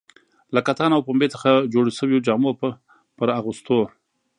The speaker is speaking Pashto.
له کتان او پنبې څخه جوړو شویو جامو پر اغوستو.